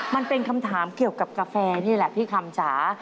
มันเป็นคำถามเกี่ยวกับกาแฟนี่แหละพี่คำจ๋า